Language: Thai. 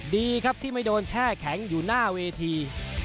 ดีครับที่ไม่โดนแช่แข็งอยู่หน้าเวที